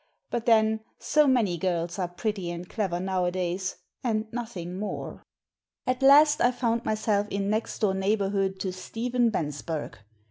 But then so many girls are pretty and clever nowadays — and nothing more. At last I found myself in next door neighbourhood to Stephen Bensberg.